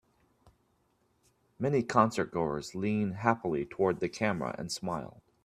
Many concertgoers lean happily toward the camera and smile.